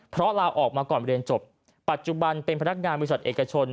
เพราะลาออกมาก่อนเรียนจบปัจจุบันเป็นพนักงานบริษัทเอกชน